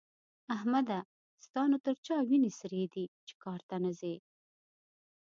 احمده! ستا نو تر چا وينې سرې دي چې کار ته نه ځې؟